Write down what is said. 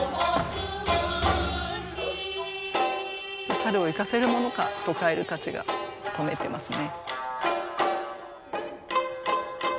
猿を行かせるものかと蛙たちが止めてますね。